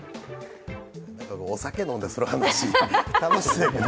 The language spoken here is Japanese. お酒飲んでその話、楽しそうやけど。